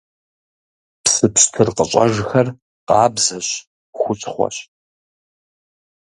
Псы пщтыр къыщӀэжхэр къабзэщ, хущхъуэщ.